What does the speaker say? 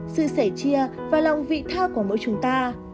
sự sẻ chia và lòng vị tha của mỗi người